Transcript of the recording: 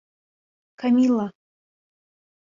Камила...